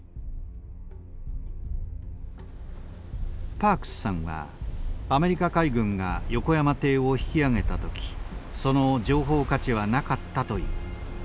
パークスさんはアメリカ海軍が横山艇を引き揚げた時その情報価値はなかったという。